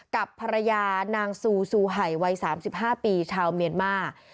กับภรรยานางซูซูไห่วัย๓๕ปีชาวเมียนมาร์